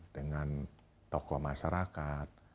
dengan tokoh masyarakat